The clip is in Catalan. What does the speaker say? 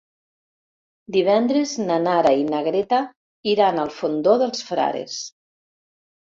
Divendres na Nara i na Greta iran al Fondó dels Frares.